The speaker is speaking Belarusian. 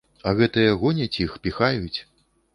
А гэтыя гоняць іх, піхаюць.